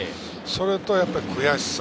それと悔しさ。